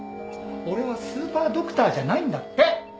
俺はスーパードクターじゃないんだって。